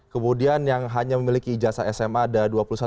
kemudian yang hanya memiliki ijasa sma ada dua puluh satu tiga puluh dua juta orang